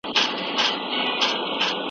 ایا ماریا په خپله څېره کې ښکلې وه؟